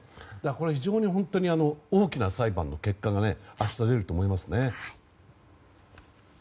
これは非常に大きな裁判の結果が明日、出ると思いますね。